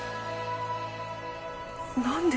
何で？